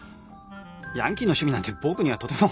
ヤンキーの趣味なんて僕にはとても。